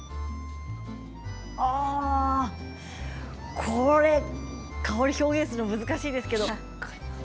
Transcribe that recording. ああこれ、香り表現するの難しいですけど。